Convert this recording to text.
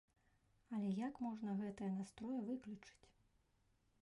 Але як можна гэтыя настроі выключыць?